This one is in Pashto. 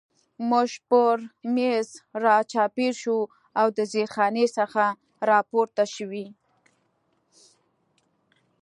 موږ پر مېز را چاپېر شو او د زیرخانې څخه را پورته شوي.